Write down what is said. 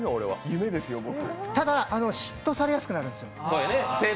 ただ、嫉妬されやすくなるんです。